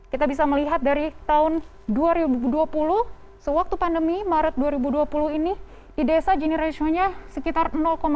kita bisa melihat dari tahun dua ribu dua puluh sewaktu pandemi maret dua ribu dua puluh ini di desa gini ratio nya sekitar